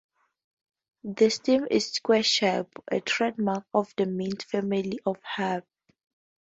The stem is square-shaped, a trademark of the mint family of herbs.